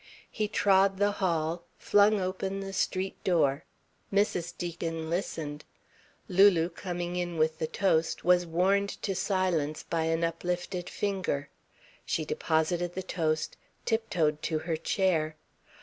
He trod the hall, flung open the street door. Mrs. Deacon listened. Lulu, coming in with the toast, was warned to silence by an uplifted finger. She deposited the toast, tiptoed to her chair.